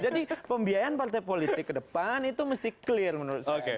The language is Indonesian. jadi pembiayaan partai politik ke depan itu mesti clear menurut saya